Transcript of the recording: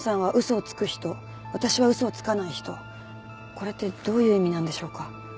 これってどういう意味なんでしょうか？